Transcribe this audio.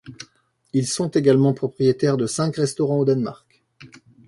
Ils sont également propriétaires de cinq restaurants au Danemark.